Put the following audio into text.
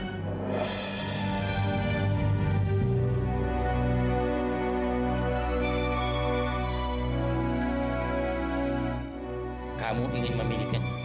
kepala penyelidikan evita dari procurement